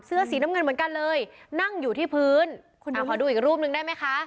เสื้อสีน้ำเงินเหมือนกันเลยนั่งอยู่ที่พื้นขอดูอีกรูปหนึ่งได้ไหมคะ